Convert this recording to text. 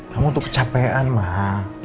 kamu tuh kecapean mah